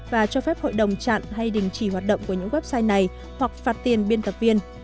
và cho phép hội đồng chặn hay đình chỉ hoạt động của những website này hoặc phạt tiền biên tập viên